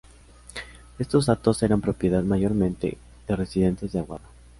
Estos hatos eran propiedad, mayormente, de residentes de Aguada.